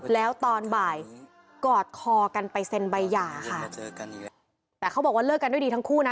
แล้วตอนบ่ายกอดคอกันไปเซ็นใบหย่าค่ะเจอกันแต่เขาบอกว่าเลิกกันด้วยดีทั้งคู่นะ